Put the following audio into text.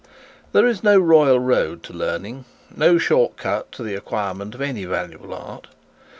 There is no royal road to learning; no short cut to the acquirement of any art.